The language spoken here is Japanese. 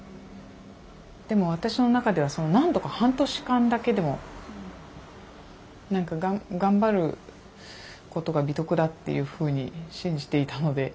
でも私の中ではなんとか半年間だけでも何か頑張ることが美徳だっていうふうに信じていたので。